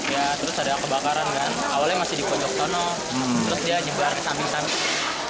ya terus ada kebakaran kan awalnya masih di pojok tono terus dia jebar di samping samping